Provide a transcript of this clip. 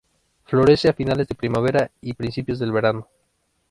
Florece a finales de primavera y principios del verano.